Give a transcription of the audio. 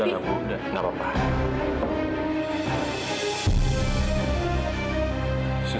atau ada cara lain sus